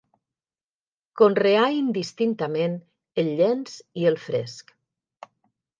Conreà indistintament el llenç i el fresc.